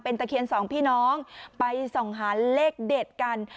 ตะเคียนสองพี่น้องไปส่องหาเลขเด็ดกัน